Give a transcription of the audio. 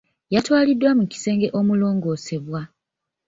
Yatwaliddwa mu kisenge omulongoosebwa.